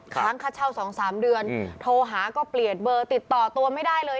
ค้างค่าเช่า๒๓เดือนโทรหาก็เปลี่ยนเบอร์ติดต่อตัวไม่ได้เลย